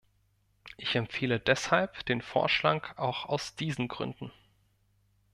Ich empfehle deshalb den Vorschlag auch aus diesen Gründen.